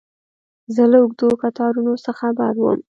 زه له اوږدو کتارونو څه خبر وم.